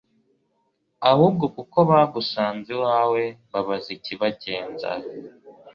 ahubwo kuko bagusanze iwawe babaze ikibagenza